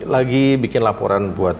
lagi bikin laporan buat